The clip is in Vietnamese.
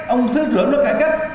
ông xứ lượng nó cải cách